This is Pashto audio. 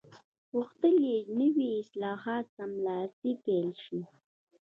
غوښتل یې نوي اصلاحات سملاسي پلي شي.